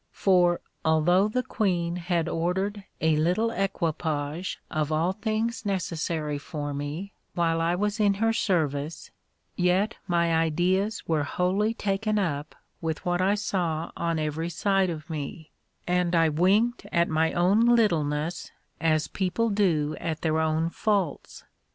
For, although the queen had ordered a little equipage of all things necessary for me while I was in her service, yet my ideas were wholly taken up with what I saw on every side of me, and I winked at my own littleness as people do at their own faults.